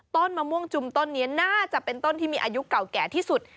ต้นมะม่วงจุมต้นนี้น่าจะเป็นต้นที่มีอายุเก่าแก่ที่สุด